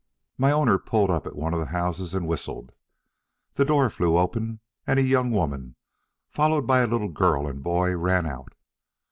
My owner pulled up at one of the houses and whistled. The door flew open, and a young woman, followed by a little girl and boy, ran out.